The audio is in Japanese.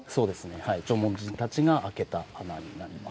はい、縄文人たちが開けた穴になります。